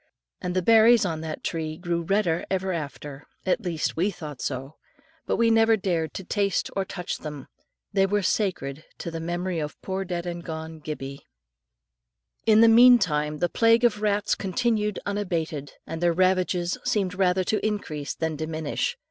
And the berries on that tree grew redder ever after, at least we thought so; but we never dared to taste or touch them, they were sacred to the memory of poor dead and gone Gibbie. In the meantime the plague of rats continued unabated, and their ravages seemed rather to increase than diminish.